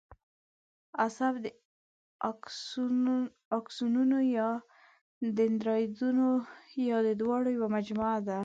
عصب د آکسونونو یا دندرایتونو یا د دواړو یوه مجموعه ده.